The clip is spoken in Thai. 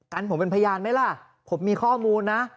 กันผมเป็นพยานไหมล่ะผมมีข้อมูลนะ